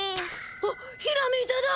あっひらめいただ！